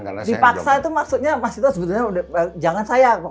dipaksa itu maksudnya mas ito sebenarnya udah jangan sayang